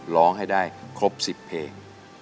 ร้องให้ได้ครบ๑๐เพลง